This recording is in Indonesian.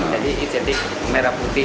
jadi ini jadi merah putih